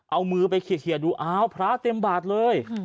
เอามือไปเคลียร์ดูอ้าวพระเต็มบาทเลย